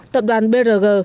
tập đoàn brg